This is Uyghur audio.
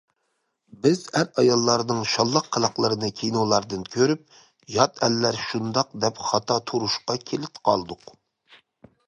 بىز ئەر-ئاياللارنىڭ شاللاق قىلىقلىرىنى كىنولاردىن كۆرۈپ، يات ئەللەر شۇنداق دەپ خاتا تۇرۇشقا كىلىت قالدۇق.